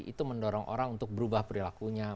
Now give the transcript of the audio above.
itu mendorong orang untuk berubah perilakunya